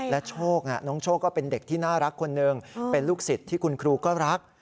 และโชคน้องโชคก็เป็นเด็กที่น่ารักคนหนึ่งเป็นลูกศิษย์ที่คุณครูก็รัก